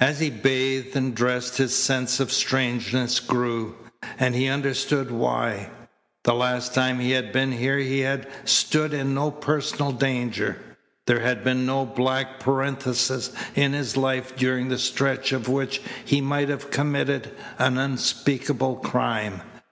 As he bathed and dressed his sense of strangeness grew, and he understood why. The last time he had been here he had stood in no personal danger. There had been no black parenthesis in his life during the stretch of which he might have committed an unspeakable crime.